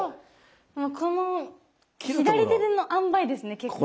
もうこの左手のあんばいですね結構。